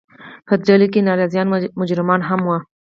په دې ډلو کې ناراضیان او مجرمان هم وو.